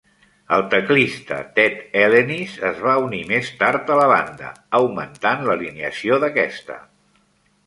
El teclista Ted Ellenis es va unir més tard a la banda augmentant l'alineació d'aquesta.